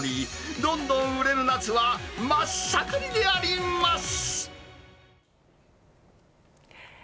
どんどん売れる夏は真っ盛りであります。